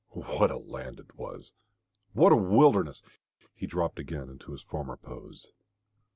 What a land it was! What a wilderness! He dropped again into his former pose.